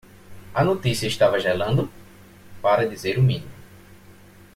A notícia estava gelando? para dizer o mínimo.